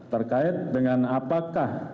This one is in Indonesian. terkait dengan apakah